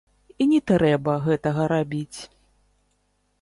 І не трэба гэтага рабіць.